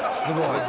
すごい。